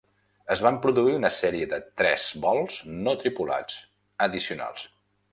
Es van produir una sèrie de tres vols no tripulats addicionals.